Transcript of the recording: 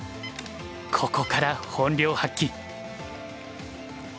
ここから本領発揮。